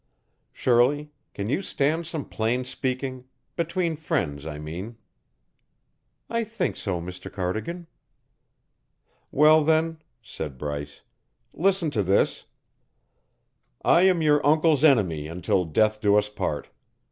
Shirley, can you stand some plain speaking between friends, I mean?" "I think so, Mr. Cardigan." "Well, then," said Bryce, "listen to this: I am your uncle's enemy until death do us part.